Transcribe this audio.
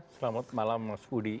selamat malam mas budi